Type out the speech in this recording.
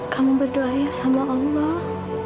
kamu berdoa sama allah